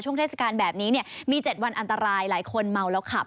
เทศกาลแบบนี้มี๗วันอันตรายหลายคนเมาแล้วขับ